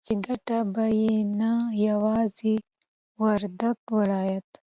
چې گټه به يې نه يوازې وردگ ولايت